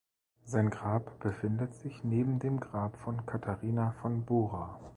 Sein Grab befindet sich neben dem Grab von Katharina von Bora.